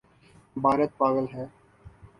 بھارت پاگل ہے؟